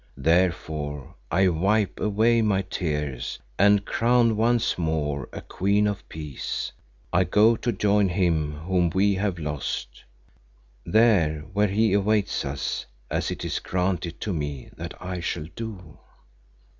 Therefore I wipe away my tears and, crowned once more a queen of peace, I go to join him whom we have lost, there where he awaits us, as it is granted to me that I shall do.